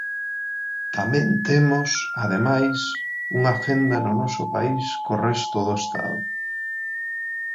Tamén temos, ademais, unha fenda no noso país co resto do Estado.